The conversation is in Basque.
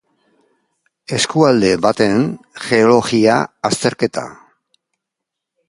Eskualde baten geologia-azterketa.